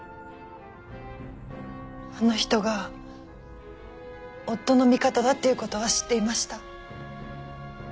あの人が夫の味方だっていう事は知っていました。